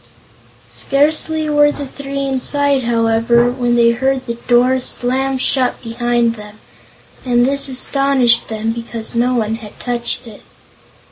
Scarcely were the three inside, however, when they heard the door slam shut behind them, and this astonished them because no one had touched it.